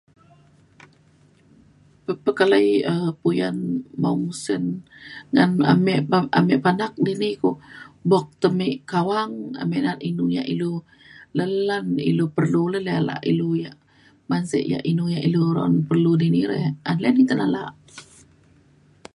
pe pekalai um puyan maung sen ngan amik pa amik panak dini ku bo' tai mik kawang amik na'at inu ya' ilu le lan ya' ilu perlu le ley alak ya' ilu man sik ya inu ilu re' un perlu dini re' ley ne tai alak.